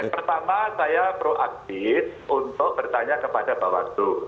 pertama saya proaktif untuk bertanya kepada bawaslu